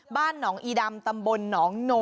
บ้านหนอีดำตำบลหมด๒